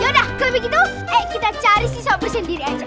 yaudah kalau begitu ayo kita cari si sobres sendiri aja